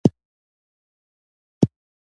الله د عبادت مستحق یوازینی ذات دی.